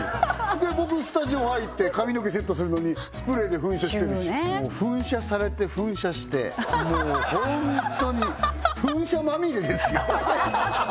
僕スタジオ入って髪の毛セットするのにスプレーで噴射してるし噴射されて噴射してもうホントに噴射まみれですよ